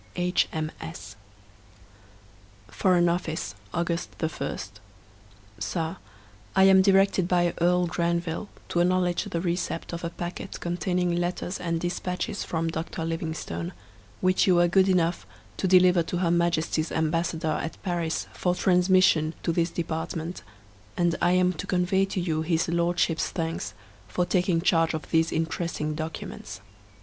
H. M. S. Foreign Office, August 1. Sir, I am directed by Earl Granville to acknowledge the receipt of a packet containing letters and despatches from Dr. Livingstone, which you were good enough to deliver to her Majesty's ambassador at Paris for transmission to this department; and I am to convey to you his Lordship's thanks for taking charge of these interesting documents.